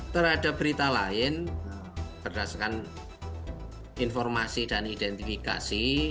terhadap berita lain berdasarkan informasi dan identifikasi